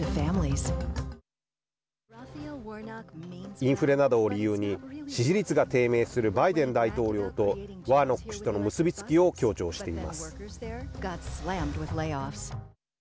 インフレなどを理由に支持率が低迷するバイデン大統領とワーノック氏との結び付きを強調しています。